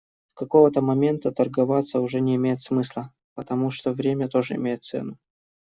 С какого-то момента торговаться уже не имеет смысла, потому что время тоже имеет цену.